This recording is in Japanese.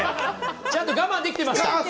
ちゃんと我慢できてました。